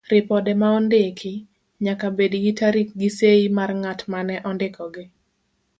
Ripode maondiki, nyaka bed gi tarik gi sei mar ng'atma ne ondikogi.